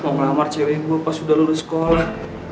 mau ngelamar cewek gue pas udah lulus sekolah